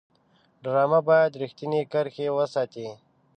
ډرامه باید رښتینې کرښې وساتي